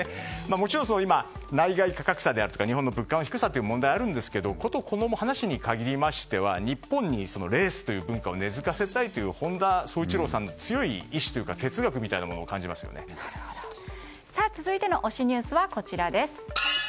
もちろん国内外格差とか日本の物価の低さとかあるんですがこの話に限りましては日本にレースという文化を根付かせたいという本田宗一郎さんの強い意志続いての推しニュースはこちら。